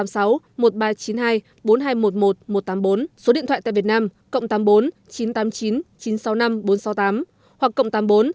số điện thoại tại việt nam cộng tám mươi bốn chín trăm tám mươi chín chín trăm sáu mươi năm bốn trăm sáu mươi tám hoặc cộng tám mươi bốn chín trăm tám mươi tám một trăm một mươi một một trăm tám mươi bốn